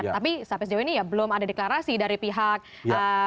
tapi sampai sejauh ini belum ada deklarasi dari pihak gerindra dan juga pks